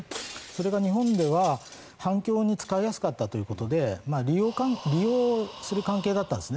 それが日本では、反共に使いやすかったということで利用する関係だったんです。